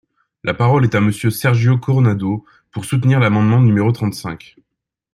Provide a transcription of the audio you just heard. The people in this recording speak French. La parole est à Monsieur Sergio Coronado, pour soutenir l’amendement numéro trente-cinq.